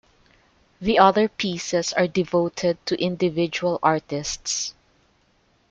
The other pieces are devoted to individual artists.